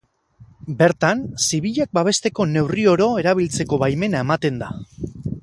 Bertan, zibilak babesteko neurri oro erabiltzeko baimena ematen da.